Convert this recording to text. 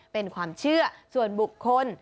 เป็นความเชื่อส่วนบุคคล